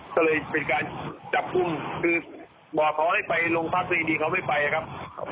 ก็เลยเป็นการจับกุ้มคือบอกเขาให้ไปลงพักแต่อีกดีเขาไม่ไปครับ